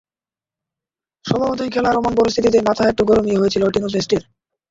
স্বভাবতই খেলার অমন পরিস্থিতিতে মাথা একটু গরমই হয়ে ছিল টিনো বেস্টের।